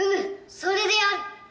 それである。